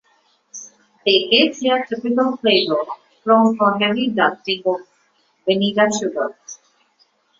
They get their typical flavour from a heavy dusting of vanilla sugar.